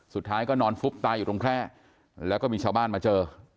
สุดท้ายก็นอนฟุบตายอยู่ตรงแคร่แล้วก็มีชาวบ้านมาเจอ